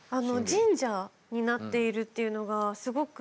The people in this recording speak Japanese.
神社になっているというのがすごく。